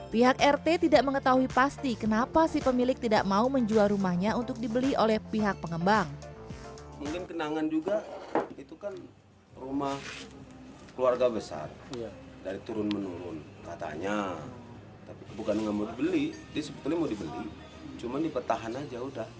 pihak rt tidak mengetahui pasti kenapa si pemilik tidak mau menjual rumahnya untuk dibeli oleh pihak pengembang